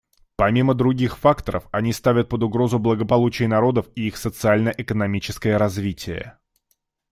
Помимо других факторов, они ставят под угрозу благополучие народов и их социально-экономическое развитие.